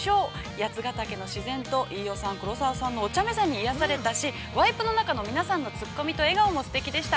八ヶ岳の自然と飯尾さん、黒沢さんのおちゃめに癒やされたし、いやされたし、ワイプの中の皆さんのツッコミと笑顔もすてきでした。